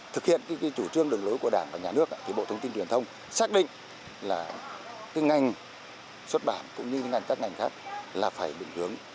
thực hiện chủ trương đường lối của đảng và nhà nước bộ thông tin và truyền thông xác định là ngành xuất bản cũng như các ngành khác là phải định hướng